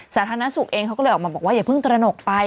สาธารณสุขเองเขาก็เลยออกมาบอกว่าอย่าเพิ่งตระหนกไป